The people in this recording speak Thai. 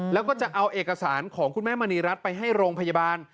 แล้วก็จะเอาเอกสารของคุณแม่มณีรัฐไปให้โรงพยาบาล